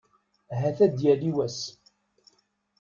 Ahat ad yali wass.